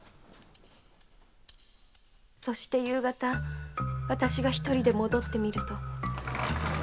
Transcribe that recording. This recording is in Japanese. そして夕方わたしが一人で戻ってみると。